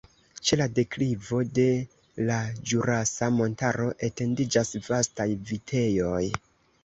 Ĉe la deklivo de la Ĵurasa Montaro etendiĝas vastaj vitejoj.